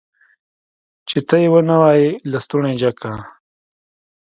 چې ته يې ونه وايي لستوڼی جګ که.